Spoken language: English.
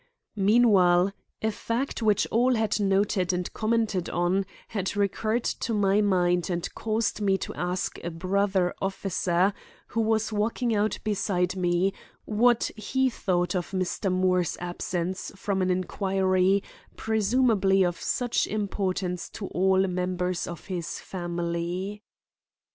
Meanwhile a fact which all had noted and commented on had recurred to my mind and caused me to ask a brother officer who was walking out beside me what he thought of Mr. Moore's absence from an inquiry presumably of such importance to all members of this family.